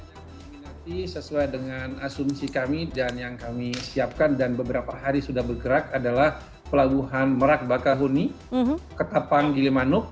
paling banyak diminati sesuai dengan asumsi kami dan yang kami siapkan dan beberapa hari sudah bergerak adalah pelabuhan merak bakahuni ke tapang gilimanuk